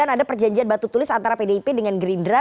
dua ribu sembilan ada perjanjian batu tulis antara pdip dengan gerindra